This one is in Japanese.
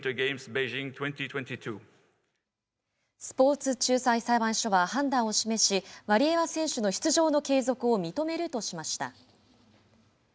スポーツ仲裁裁判所は判断を示しワリエワ選手の出場の継続を認めるとしました。